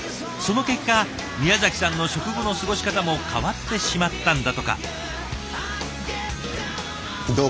その結果宮崎さんの食後の過ごし方も変わってしまったんだとか。